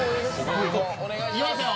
いきますよ。